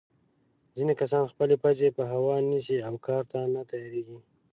ځینې کسان خپلې پزې په هوا نیسي او کار ته نه تیارېږي.